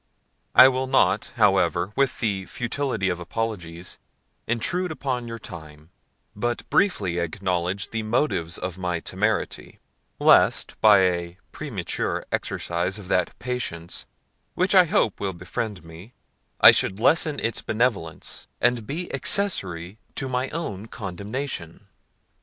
I will not, however, with the futility of apologies, intrude upon your time, but briefly acknowledge the motives of my temerity; lest, by a premature exercise of that patience which I hope will befriend me, I should lessen its benevolence, and be accessary to my own condemnation.